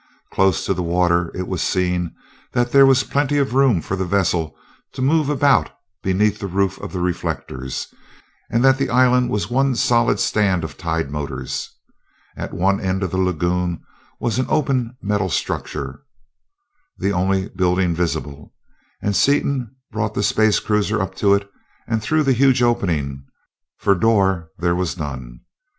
Close to the water, it was seen that there was plenty of room for the vessel to move about beneath the roof of reflectors, and that the island was one solid stand of tide motors. At one end of the lagoon was an open metal structure, the only building visible, and Seaton brought the space cruiser up to it and through the huge opening for door there was none.